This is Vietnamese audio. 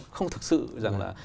không thực sự rằng là